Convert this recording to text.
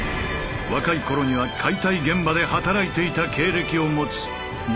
若い頃には解体現場で働いていた経歴を持つ魔裟斗。